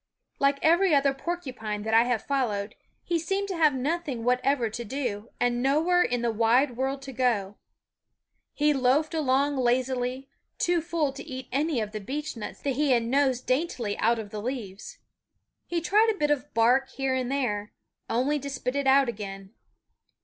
Like every other porcupine that I have followed, he seemed to have nothing whatever to do, and nowhere in the wide world to go. He loafed along lazily, too full to eat any of the beechnuts that he nosed daintily out of the leaves. He tried a bit of bark here and there, only to spit it out again.